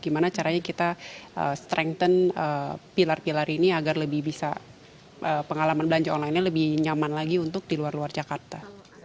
gimana caranya kita strengthen pilar pilar ini agar lebih bisa pengalaman belanja online nya lebih nyaman lagi untuk di luar luar jakarta